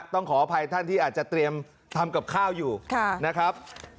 ต้องขออภัยท่านที่อาจจะเตรียมทำกับข้าวอยู่นะครับ